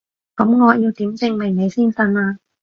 噉我要點證明你先信啊？